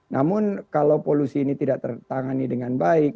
namun kalau polusi ini tidak tertangani dengan baik